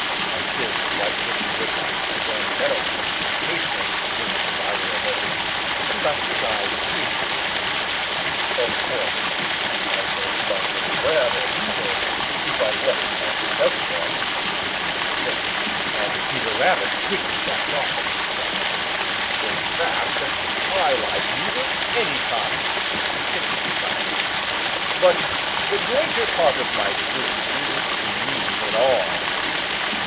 At this Whitefoot the Wood Mouse and Danny Meadow Mouse hastily scurried farther away, and Buster's eyes twinkled with mischief. "Of course I don't mind a Rabbit either, if I am lucky enough to catch one," said he, and Peter Rabbit quickly backed off a few steps. "In fact I like meat of any kind," continued Buster. "But the greater part of my food isn't meat at all.